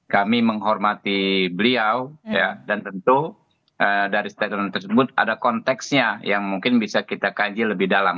kami menghormati beliau dan tentu dari statement tersebut ada konteksnya yang mungkin bisa kita kaji lebih dalam